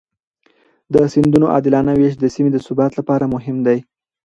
د سیندونو عادلانه وېش د سیمې د ثبات لپاره مهم دی.